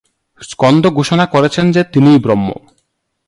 স্কন্দ ঘোষণা করছেন যে, তিনিই ব্রহ্ম।